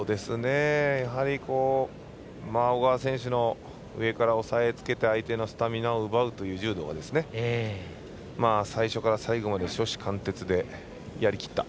やはり小川選手の上から押さえつけて相手のスタミナを奪う柔道が最初から最後まで初志貫徹でやりきった。